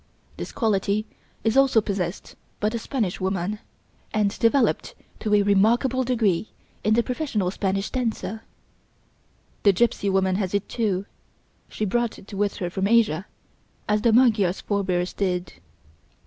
This quality is also possessed by the Spanish woman, and developed to a remarkable degree in the professional Spanish dancer. The Gipsy woman has it too, she brought it with her from Asia, as the Magyar's forebears did.